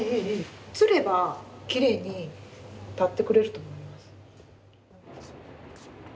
吊ればきれいに立ってくれると思います。